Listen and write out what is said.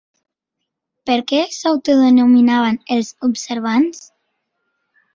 Per què s'autodenominaven “els observants”?